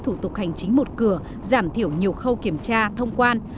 thủ tục hành chính một cửa giảm thiểu nhiều khâu kiểm tra thông quan